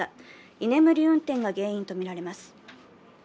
居眠り運転が原因とみられます。